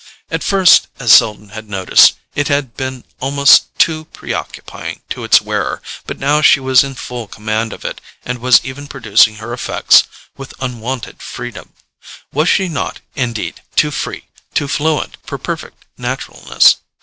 At first, as Selden had noticed, it had been almost too preoccupying to its wearer; but now she was in full command of it, and was even producing her effects with unwonted freedom. Was she not, indeed, too free, too fluent, for perfect naturalness?